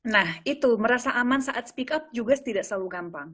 nah itu merasa aman saat speak up juga tidak selalu gampang